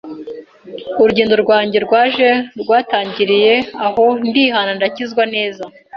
urugendo rwanjye rwajye rwatangiriye aho ndihana ndakizwa neza